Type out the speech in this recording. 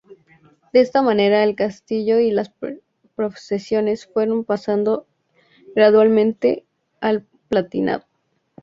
De esta manera el castillo y las posesiones fueron pasando gradualmente al Palatinado.